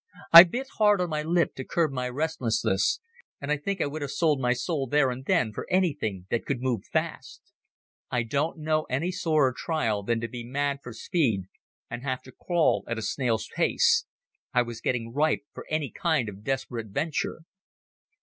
I bit hard on my lip to curb my restlessness, and I think I would have sold my soul there and then for anything that could move fast. I don't know any sorer trial than to be mad for speed and have to crawl at a snail's pace. I was getting ripe for any kind of desperate venture.